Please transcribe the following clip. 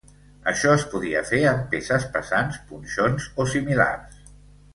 Això es podia fer amb peces pesants, punxons o similars.